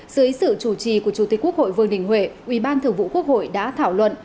dưới sự chủ trì của chủ tịch quốc hội vương đình huệ ủy ban thường vụ quốc hội đã thảo luận